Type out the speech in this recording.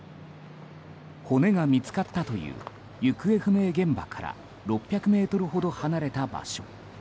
骨が見つかったという行方不明現場から６００ｍほど離れた場所。